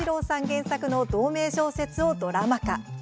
原作の同名小説をドラマ化。